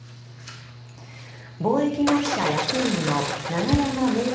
貿易会社役員の長山明吉